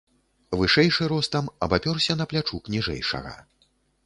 Вышэйшы ростам абапёрся на плячук ніжэйшага.